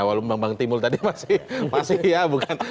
walaupun bang timul tadi masih ya bukan